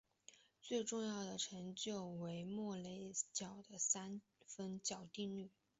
最重要的成就为莫雷角三分线定理。